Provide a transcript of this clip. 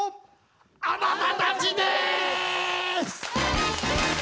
あなたたちです！